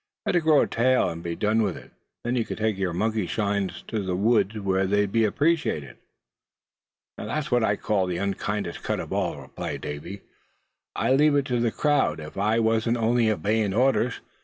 "Better grow a tail, and be done with it. Then you could take your monkey shines to the woods, where they'd be appreciated." "Now that's what I call the unkindest cut of all," replied Davy. "I leave it to the crowd if I wasn't only obeyin' orders?